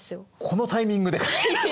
このタイミングでかい！？